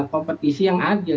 kompetisi yang adil